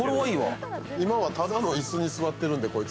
今はただの椅子に座ってるんで、こいつ。